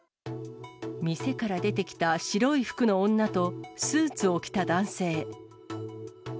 店から出てきた白い服の女と、スーツを着た男性。